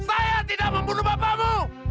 saya tidak membunuh bapakmu